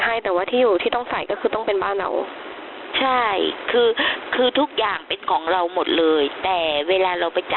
ที่เราเอาที่ต้องใส่ก็คือต้องเป็นบ้านเรา